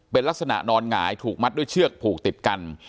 เป็นลักษณะนอนหงายถูกมัดด้วยเชือกผูกติดกัน